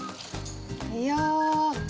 いや。